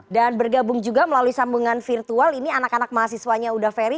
dan bergabung juga melalui sambungan virtual ini anak anak mahasiswanya udaferi